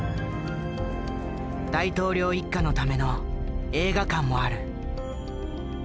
大統領一家のための映画館もある。